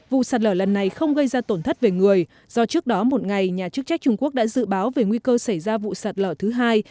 vụ sạt lở lần này không gây ra tổn thất về người do trước đó một ngày nhà chức trách trung quốc đã dự báo về nguy cơ xảy ra vụ sạt lở thứ hai